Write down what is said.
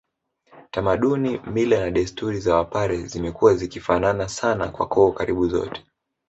Tamaduni mila na desturi za wapare zimekuwa zikifanana sana kwa koo karibu zote